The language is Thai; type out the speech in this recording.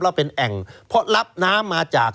แล้วเป็นแอ่งเพราะรับน้ำมาจาก